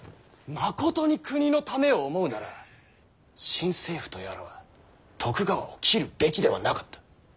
まことに国のためを思うなら新政府とやらは徳川を切るべきではなかった。